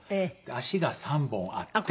足が３本あって。